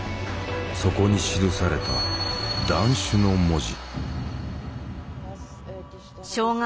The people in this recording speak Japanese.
そこに記された「断種」の文字。